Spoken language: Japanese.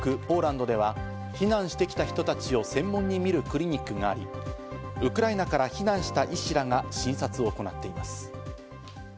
ポーランドでは避難してきた人たちを専門に診るクリニックがあり、ウクライナから避難した医師らが診察を行っています。